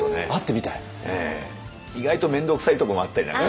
意外と面倒くさいとこもあったりなんかしてね。